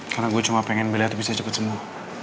karena gue cuma pengen bella tuh bisa cepet sembuh